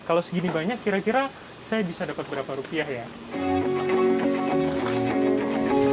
kalau segini banyak kira kira saya bisa dapat berapa rupiah ya